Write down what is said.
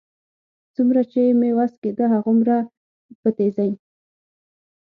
څومره چې مې وس کېده، هغومره په تېزۍ.